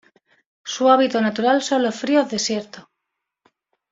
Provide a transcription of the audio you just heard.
Su hábito natural son los fríos desiertos.